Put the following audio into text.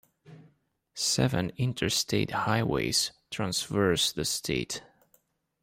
Seven Interstate Highways transverse the state.